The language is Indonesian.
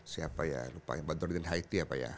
siapa ya lupa ya badurudin haiti apa ya